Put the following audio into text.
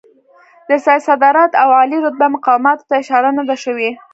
د سید صدارت او عالي رتبه مقاماتو ته اشاره نه ده شوې.